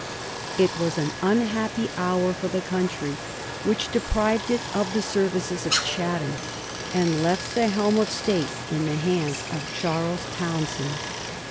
It was an unhappy hour for the country which deprived it of the services of Chatham and left the helm of state in the hands of Charles Townshend.